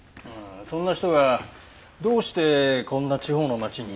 そんな人がどうしてこんな地方の町に。